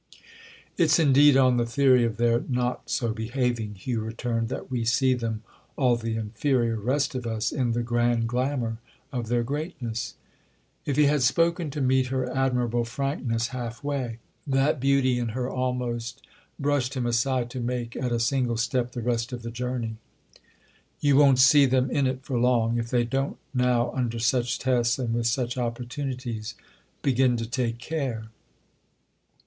"It's indeed on the theory of their not so behaving," Hugh returned, "that we see them—all the inferior rest of us—in the grand glamour of their greatness!" If he had spoken to meet her admirable frankness half way, that beauty in her almost brushed him aside to make at a single step the rest of the journey. "You won't see them in it for long—if they don't now, under such tests and with such opportunities, begin to take care."